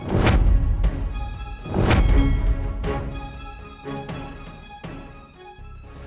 kepala kak fani